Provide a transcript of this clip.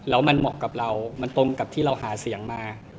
แล้วมันเหมาะกับเรามันตรงกับที่เราหาเสียงมา